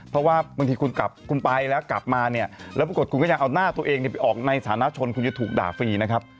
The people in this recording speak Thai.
เพราะว่าบางทีคุณกลับคุณไปแล้วกลับมาเนี่ยแล้วปรากฏคุณก็ยังเอาหน้าตัวเองไปออกในฐานะชนคุณจะถูกด่าฟรีนะครับ